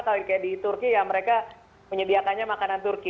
kayak di turki ya mereka menyediakannya makanan turki